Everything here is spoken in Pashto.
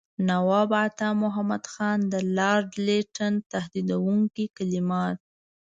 نواب عطامحمد خان د لارډ لیټن تهدیدوونکي کلمات.